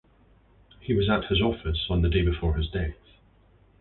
He was at his office on the day before his death.